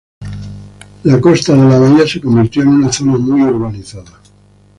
La costa de la bahía se convirtió en una zona muy urbanizada.